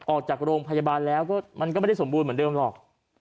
ออกจากโรงพยาบาลแล้วก็มันก็ไม่ได้สมบูรณ์เหมือนเดิมหรอก